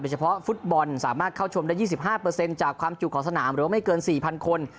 เฉพาะฟุตบอลสามารถเข้าชมได้๒๕จากความจุของสนามหรือว่าไม่เกิน๔๐๐คน